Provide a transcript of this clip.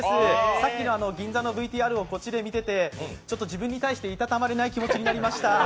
さっきの銀座のＶＴＲをこっちで見ていて、自分に対して、いたたまれない気持ちになりました。